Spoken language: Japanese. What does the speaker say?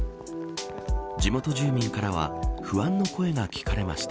地元住民からは不安の声が聞かれました。